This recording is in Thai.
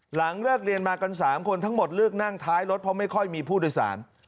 หลังเลิกเรียนมากัน๓คนทั้งหมดเลือกนั่งท้ายรถเพราะไม่ค่อยมีผู้โดยสาร